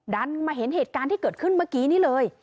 ดันมาเห็นเหตุการณ์ที่เกิดขึ้นเมื่อกี้นี่เลย